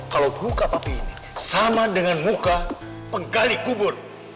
kalau buka papi ini sama dengan muka penggali kubur